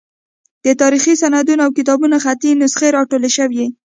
د تاریخي سندونو او کتابونو خطي نسخې راټولې شوې.